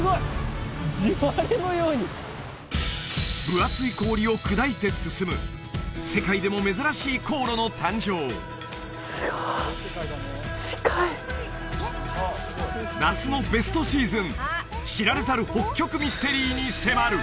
分厚い氷を砕いて進む世界でも珍しい航路の誕生夏のベストシーズン知られざる北極ミステリーに迫る！